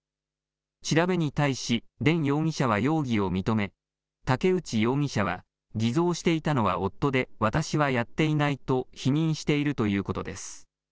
調べに対し田容疑者は容疑を認め竹内容疑者は偽造していたのは夫で私はやっていないと否認しているということです。